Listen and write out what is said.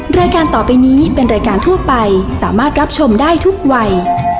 รายการต่อไปนี้เป็นรายการทั่วไปสามารถรับชมได้ทุกวัย